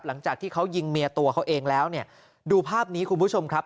หลังจากที่เขายิงเมียตัวเขาเองแล้วเนี่ยดูภาพนี้คุณผู้ชมครับ